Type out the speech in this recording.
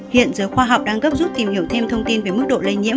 hiện giới khoa học đang gấp rút tìm hiểu thêm thông tin về mức độ lây nhiễm